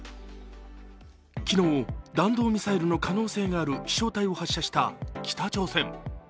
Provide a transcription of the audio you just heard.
昨日、弾道ミサイルの可能性がある飛翔体を発射した北朝鮮。